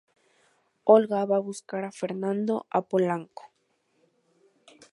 Olga va a buscar a Fernando a Polanco.